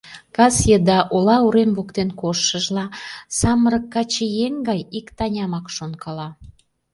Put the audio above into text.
Кас еда ола урем воктен коштшыжла, самырык каче еҥ гай ик Танямак шонкала.